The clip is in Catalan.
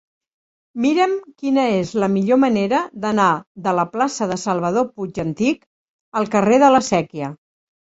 Mira'm quina és la millor manera d'anar de la plaça de Salvador Puig i Antich al carrer de la Sèquia.